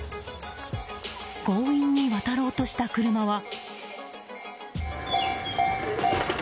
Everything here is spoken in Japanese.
強引に渡ろうとした車は。